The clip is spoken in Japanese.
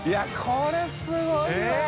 これすごいな。